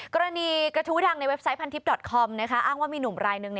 กระทู้ดังในเว็บไซต์พันทิพยอดคอมอ้างว่ามีหนุ่มรายหนึ่ง